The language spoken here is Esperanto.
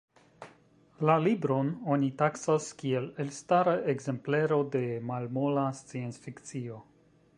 La libron oni taksas kiel elstara ekzemplero de malmola sciencfikcio.